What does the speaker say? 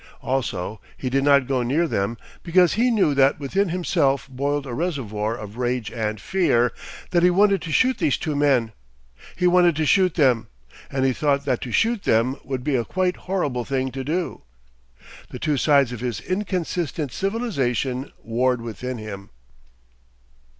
Also he did not go near them because he knew that within himself boiled a reservoir of rage and fear that he wanted to shoot these two men. He wanted to shoot them, and he thought that to shoot them would be a quite horrible thing to do. The two sides of his inconsistent civilisation warred within him.